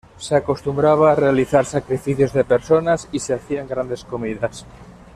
Se acostumbraba realizar sacrificios de personas y se hacían grandes comidas.